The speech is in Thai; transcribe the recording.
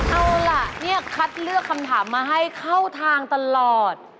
เอาล่ะเนี่ยคัดเลือกคำถามมาให้เข้าทางตลอด